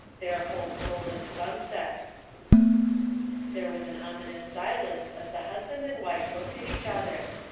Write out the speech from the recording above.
" They're Holt's Golden Sunset !" There was an ominous silence as Iftie husband and wife looked at each other.